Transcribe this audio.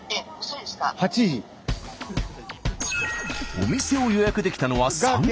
お店を予約できたのは３時間後。